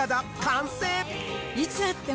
いつ会っても。